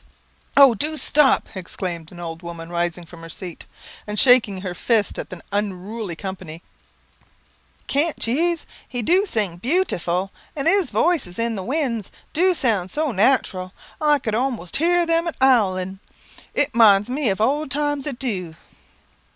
"Oh, do stop," exclaimed an old woman, rising from her seat, and shaking her fist at the unruly company, "can't yee's; he do sing butiful; and his voice in the winds do sound so natural, I could almost hear them an 'owling. It minds me of old times, it dew."